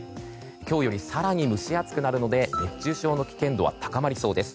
今日より更に蒸し暑くなるので熱中症の危険度は高まりそうです。